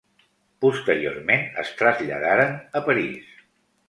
Posteriorment es traslladaren a París.